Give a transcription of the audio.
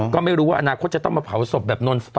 ก็ไม่รู้ว่าอนาคตจะต้องมาเผาศพแบบนอน